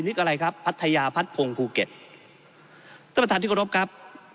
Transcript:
อะไรครับพัทยาพัดพงศ์ภูเก็ตท่านประธานที่กรบครับ